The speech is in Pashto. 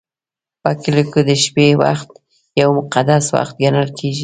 په کلیو کې د شپې وخت یو مقدس وخت ګڼل کېږي.